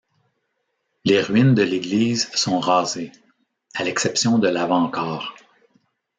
Les ruines de l'église sont rasées, à l'exception de l'avant-corps.